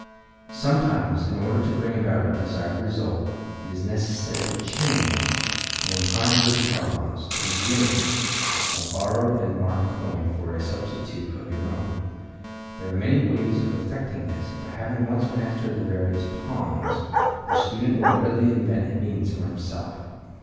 —Sometimes, in order to bring about a desired result, it is necessary to change, or in conjurers' parlance to "ring," a borrowed and marked coin for a substitute of your own. There are many ways of effecting this, but having once mastered the various "palms" the student will readily invent means for himself.